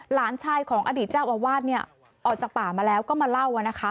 หลานชายของอดีตเจ้าอาวาสเนี่ยออกจากป่ามาแล้วก็มาเล่านะคะ